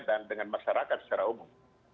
dan dengan masyarakat secara umum